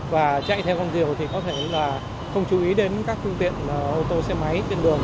và chạy theo con diều thì có thể là không chú ý đến các phương tiện ô tô xe máy trên đường